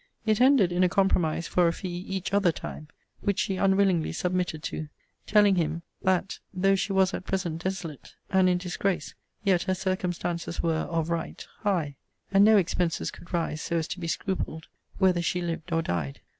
It ended in a compromise for a fee each other time; which she unwillingly submitted to; telling him, that though she was at present desolate and in disgrace, yet her circumstances were, of right, high; and no expenses could rise so as to be scrupled, whether she lived or died.